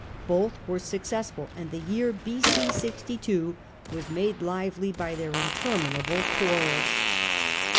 Both were successful, and the year B.C. 62 was made lively by their interminable quarrels.